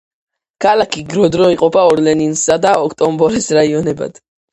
ქალაქი გროდნო იყოფა ორ, ლენინისა და ოქტომბრის რაიონებად.